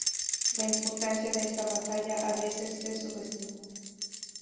La importancia de esta batalla a veces se subestimó.